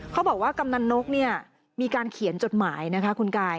เขาบอกว่ากำนักนกมีการเขียนจดหมายนะคะคุณกาย